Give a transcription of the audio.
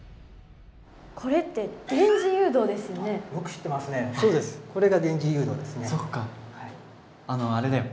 これって電磁誘導ですよね？